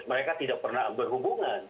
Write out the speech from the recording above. mereka tidak pernah berhubungan